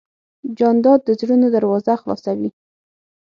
جانداد د زړونو دروازه خلاصوي.